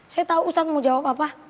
saya tau ustad mau jawab apa